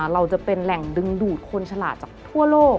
เราจะเป็นแหล่งดึงดูดคนฉลาดจากทั่วโลก